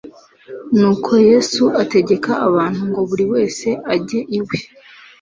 Nuko Yesu ategeka abantu ngo buri wese ajye iwe;